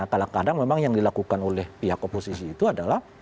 kadang kadang memang yang dilakukan oleh pihak oposisi itu adalah